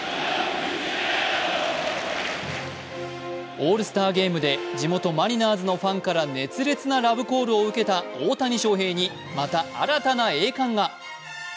オールスターゲームで地元・マリナーズのファンから熱烈なラブコールを受けた大谷翔平にまた新たな栄冠が。